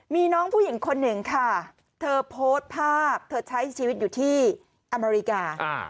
มีน้องผู้หญิงคนหนึ่งค่ะเธอโพสต์ภาพเธอใช้ชีวิตอยู่ที่อเมริกา